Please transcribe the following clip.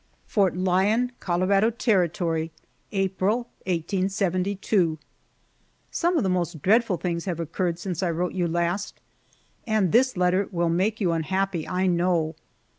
FORT LYON, COLORADO TERRITORY, April, 1872. SOME of the most dreadful things have occurred since I wrote you last, and this letter will make you unhappy, I know.